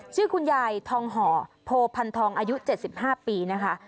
ชื่อคุณยายทองห่อโพพันธองอายุ๗๕ปีนะคะ